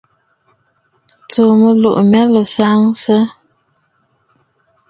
Tsùù mɨlùʼù mya lǒ saansə!